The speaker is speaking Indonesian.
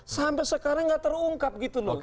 sampai sekarang nggak terungkap gitu loh